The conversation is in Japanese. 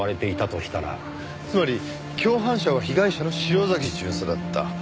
つまり共犯者は被害者の潮崎巡査だった。